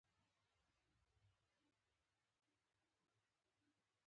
د کتابتون علمي پانګې تر څنګ یې.